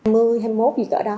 năm hai nghìn hai mươi một gì cả đó